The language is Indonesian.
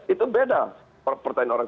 itu beda pertanyaan orang